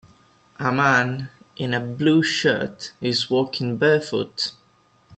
A man in a blue shirt is walking barefoot.